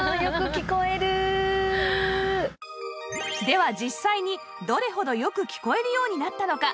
では実際にどれほどよく聞こえるようになったのか？